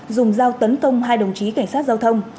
dùng dao tấn công hai đồng chí cảnh sát giao thông